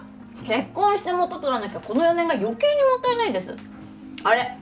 結婚して元取らなきゃこの４年がよけいにもったいないですあれ